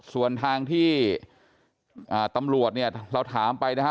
ส่วนทางที่ตำรวจเนี่ยเราถามไปนะฮะ